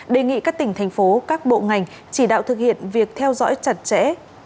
đề nghị các tỉnh thành phố các bộ ngành chỉ đạo thực hiện việc theo dõi chặt chẽ